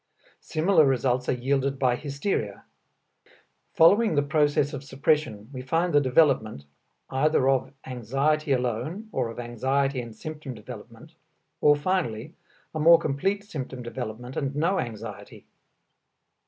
Similar results are yielded by hysteria. Following the process of suppression we find the development, either of anxiety alone or of anxiety and symptom development, or finally a more complete symptom development and no anxiety.